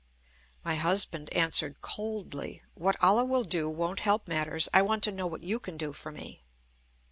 My husband answered coldly: "What Allah will do won't help matters; I want to know what you can do for me."